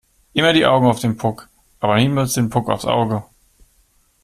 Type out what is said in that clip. Immer die Augen auf den Puck aber niemals den Puck aufs Auge!